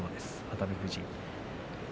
熱海富士。